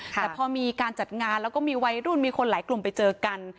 แต่พอมีการจัดงานแล้วก็มีวัยรุ่นมีคนหลายกลุ่มไปเจอกัน